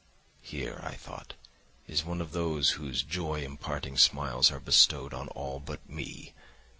Here, I thought, is one of those whose joy imparting smiles are bestowed on all but me.